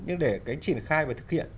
nhưng để cái triển khai và thực hiện